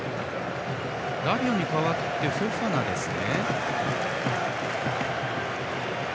ラビオに代わってフォファナですね。